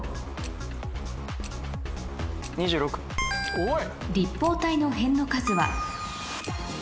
おい！